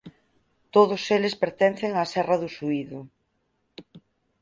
Todos eles pertencen á serra do Suído.